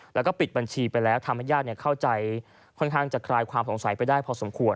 แล้วก็ปิดบัญชีไปแล้วทำให้ญาติเข้าใจค่อนข้างจะคลายความสงสัยไปได้พอสมควร